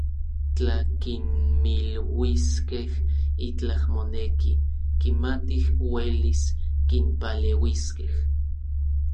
Tla kinmiluiskej itlaj moneki, kimatij uelis kinpaleuiskej.